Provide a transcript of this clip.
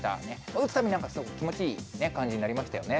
打つたびに気持ちいい感じになりましたよね。